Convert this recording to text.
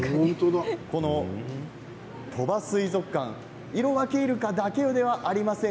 この鳥羽水族館イロワケイルカだけではありません。